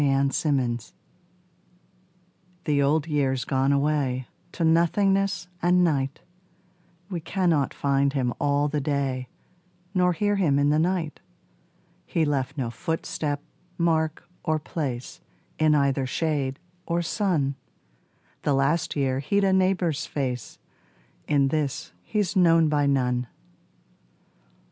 The Old Year The Old Year's gone away To nothingness and night: We cannot find him all the day Nor hear him in the night: He left no footstep, mark or place In either shade or sun: The last year he'd a neighbour's face, In this he's known by none.